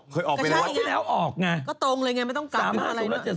เคยออกไปแล้วนะอ๋อก็ใช่เนี่ยงางั้งกับ๓๕๐และ๗๔๐